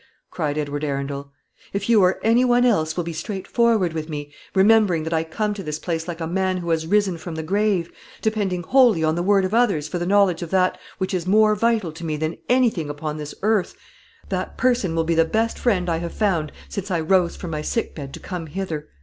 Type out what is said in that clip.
cried Edward Arundel. "If you or any one else will be straightforward with me remembering that I come to this place like a man who has risen from the grave, depending wholly on the word of others for the knowledge of that which is more vital to me than anything upon this earth that person will be the best friend I have found since I rose from my sick bed to come hither.